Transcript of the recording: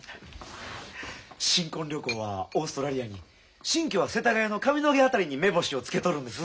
新婚旅行はオーストラリアに新居は世田谷の上野毛辺りに目星をつけとるんです。